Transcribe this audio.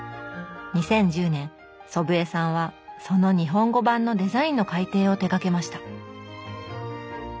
２０１０年祖父江さんはその日本語版のデザインの改訂を手がけました。